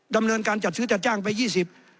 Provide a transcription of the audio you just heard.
ดำเนินการจัดซื้อจัดจ้างไป๒๐